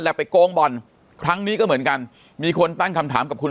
ไปโกงบ่อนครั้งนี้ก็เหมือนกันมีคนตั้งคำถามกับคุณ